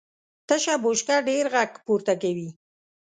تشه بشکه ډېر غږ پورته کوي .